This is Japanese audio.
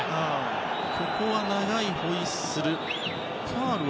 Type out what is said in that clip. ここは長いホイッスル。